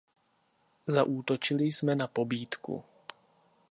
Zaútočili jsme na pobídku.